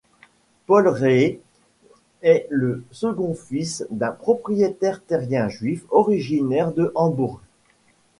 Paul Rée est le second fils d'un propriétaire terrien juif originaire de Hambourg.